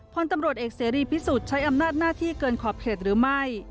พลตำรวจเอกเสรีพิสุทธิ์ใช้อำนาจหน้าที่เกินขอบเขตหรือไม่